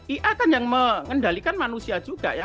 ia kan yang mengendalikan manusia juga ya